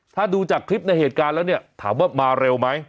ถ้าดูจากคลิปในเหตุการณ์แล้วเนี่ยถามว่ามาเร็วไหม